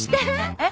えっ？